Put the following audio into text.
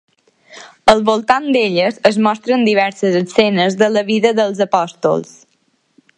Al voltant d'elles es mostren diverses escenes de la vida dels apòstols.